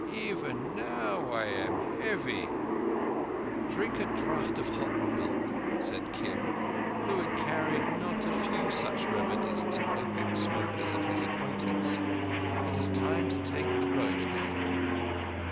Even now I am heavy." "Drink a draught of hot milk," said Kim, who had carried not a few such remedies to opium smokers of his acquaintance. "It is time to take the Road again."